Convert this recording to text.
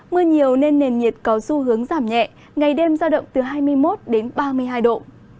mưa nhiều nên nền nhiệt có xu hướng giảm nhẹ ngày đêm giao động từ hai mươi một đến ba mươi hai độ